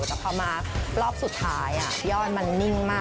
แต่พอมารอบสุดท้ายยอดมันนิ่งมาก